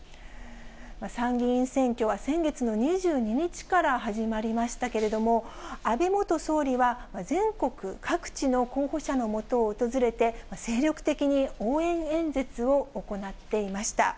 参議院選挙は先月の２２日から始まりましたけれども、安倍元総理は、全国各地の候補者のもとを訪れて、精力的に応援演説を行っていました。